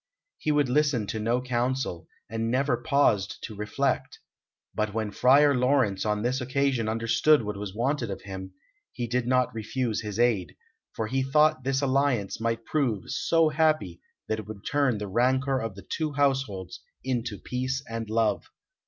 He would listen to no counsel, and never paused to reflect. But when Friar Laurence on this occasion understood what was wanted of him, he did not refuse his aid, for he thought this alliance might prove so happy that it would turn the rancour of the two households into peace and love.